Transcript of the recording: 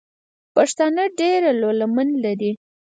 پښتانه ډېره لو لمن لري.